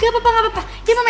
tidak apa apa tidak apa apa